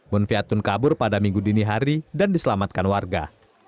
bonviatun kabur pada minggu dini hari dan diselamatkan warga